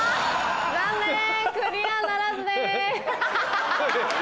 残念クリアならずです。